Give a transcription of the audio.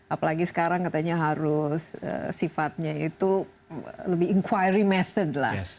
apalagi sekarang katanya harus sifatnya itu lebih inquiry message lah